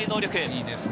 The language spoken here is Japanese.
いいですね。